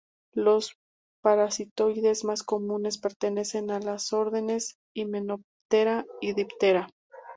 Los parasitoides más comunes pertenecen a los órdenes Hymenoptera y Diptera.